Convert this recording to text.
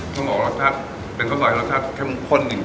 คุณบอกรสชาติเป็นข้อซอยรสชาติเข้มข้นนิดสิ